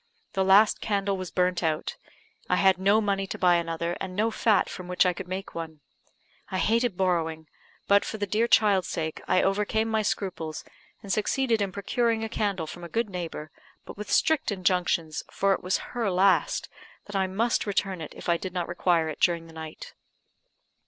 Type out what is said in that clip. The last candle was burnt out; I had no money to buy another, and no fat from which I could make one. I hated borrowing; but, for the dear child's sake, I overcame my scruples, and succeeded in procuring a candle from a good neighbour, but with strict injunctions (for it was her last), that I must return it if I did not require it during the night.